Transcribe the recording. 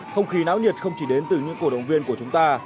không khí náo nhiệt không chỉ đến từ những cổ động viên của chúng ta